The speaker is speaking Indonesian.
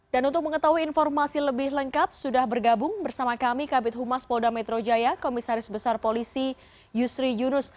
dan untuk mengetahui informasi lebih lengkap sudah bergabung bersama kami kabit humas polda metro jaya komisaris besar polisi yusri yunus